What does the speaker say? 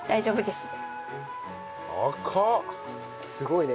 すごいね。